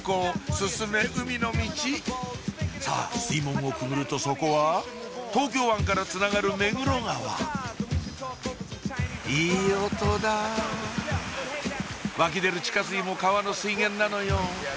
進め海のミチさぁ水門をくぐるとそこは東京湾からつながる目黒川いい音だ湧き出る地下水も川の水源なのよ